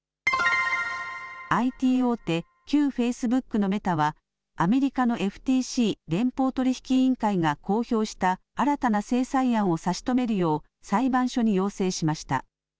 ＩＴ大手、旧フェイスブックのメタはアメリカのＦＴＣ・連邦取引委員会が公表した新たな制裁案を差し止めるよう裁判所に要請しました。